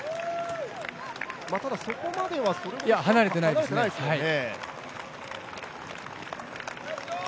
ただ、そこまでは離れてないですよね。